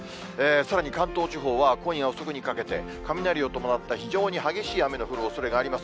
さらに関東地方は、今夜遅くにかけて、雷を伴った非常に激しい雨の降るおそれがあります。